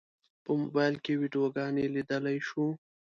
په موبایل کې ویډیوګانې لیدلی شو.